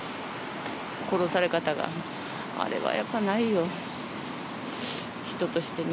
殺され方が、あれはやっぱりないよ、人としてね。